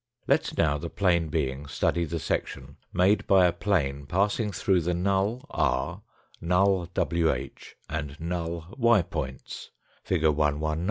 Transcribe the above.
Let now the plane being study the section made by a plane parsing through the null r, null wh, and null y points, fig. 119.